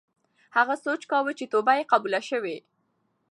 هغه سوچ کاوه چې توبه یې قبوله شوې.